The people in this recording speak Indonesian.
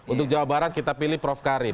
untuk jawa barat kita pilih prof karim